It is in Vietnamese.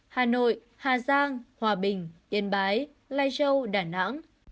hà nội hà giang hòa bình yên bái lai châu đà nẵng